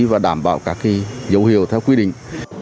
và đảm bảo các dấu hiệu theo quy định